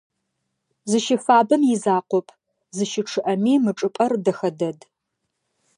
Зыщыфабэм изакъоп, зыщычъыӏэми мы чӏыпӏэр дэхэ дэд.